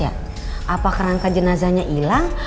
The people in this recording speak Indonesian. apa kerangka jenazahnya hilang